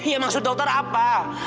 ya maksud dokter apa